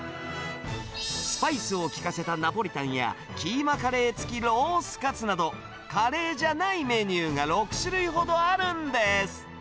スパイスを効かせたナポリタンや、キーマカレー付きロースカツなど、カレーじゃないメニューが６種類ほどあるんです。